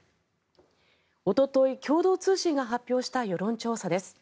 おととい共同通信が発表した世論調査です。